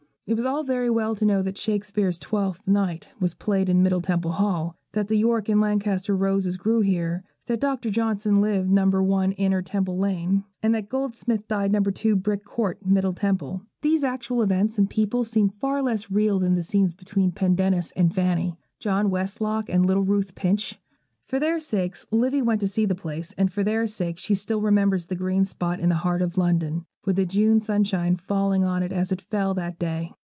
It was all very well to know that Shakespeare's 'Twelfth Night' was played in Middle Temple Hall, that the York and Lancaster roses grew here, that Dr. Johnson lived No. 1 Inner Temple Lane, and that Goldsmith died No. 2 Brick Court, Middle Temple; these actual events and people seemed far less real than the scenes between Pendennis and Fanny, John Westlock and little Ruth Pinch. For their sakes Livy went to see the place; and for their sakes she still remembers that green spot in the heart of London, with the June sunshine falling on it as it fell that day.